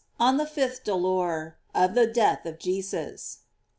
ON THE FIFTH DOLOR. OP THE DEATH OF JESUS.